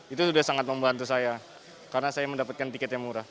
itu sudah sangat membantu saya karena saya mendapatkan tiket yang murah